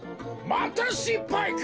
・またしっぱいか！